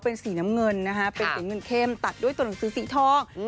เป็นสีน้ำเงินเข้มตัดด้วยตัวหนังสือสีทอง